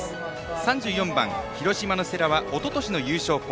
３４番、広島の世羅はおととしの優勝校。